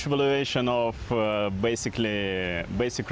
dan peraturan ini adalah penilai besar